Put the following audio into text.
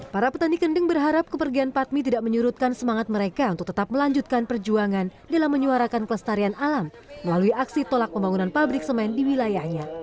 para petani kendeng berharap kepergian patmi tidak menyurutkan semangat mereka untuk tetap melanjutkan perjuangan dalam menyuarakan kelestarian alam melalui aksi tolak pembangunan pabrik semen di wilayahnya